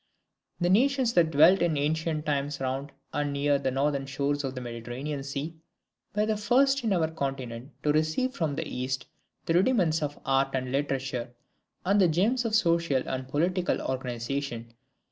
The nations that dwelt in ancient times around and near the northern shores of the Mediterranean Sea, were the first in our continent to receive from the East the rudiments of art and literature, and the germs of social and political organization.